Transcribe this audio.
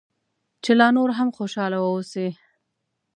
چې لا نور هم خوشاله واوسې.